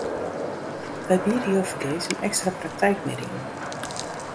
Wy biede jo fergees in ekstra praktykmiddei oan.